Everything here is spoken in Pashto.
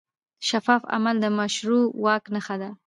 شفاف عمل د مشروع واک نښه ده.